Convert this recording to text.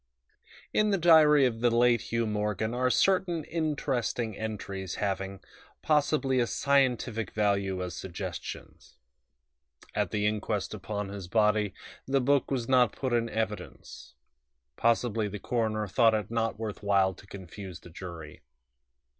IV In the diary of the late Hugh Morgan are certain interesting entries having, possibly, a scientific value as suggestions. At the inquest upon his body the book was not put in evidence; possibly the coroner thought it not worth while to confuse the jury.